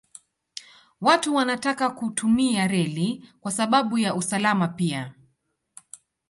Watu wanataka kutumia reli kwa sababu ya usalama pia.